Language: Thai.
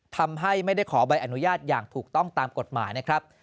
ทำให้ไม่ได้ขอใบอนุญาตอย่างถูกต้องตามกฎหมายนะครับ